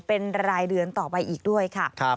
เป็นรายเดือนต่อไปอีกด้วยค่ะ